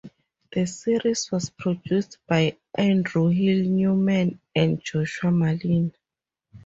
The series was produced by Andrew Hill Newman and Joshua Malina.